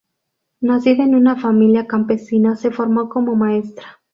Nacida en una familia campesina, se formó como maestra.